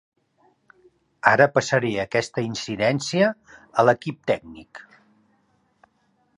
Ara passaré aquesta incidència a l'equip tècnic.